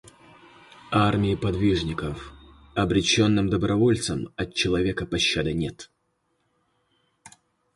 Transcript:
Армии подвижников, обреченным добровольцам от человека пощады нет!